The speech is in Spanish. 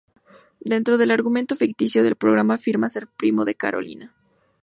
Dentro del argumento ficticio del programa, afirma ser primo de Carolina.